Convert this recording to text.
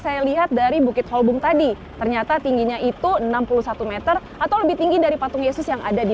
saya lihat dari bukit holbung tadi ternyata tingginya itu enam puluh satu m atau lebih tinggi dari patung yesus yang ada di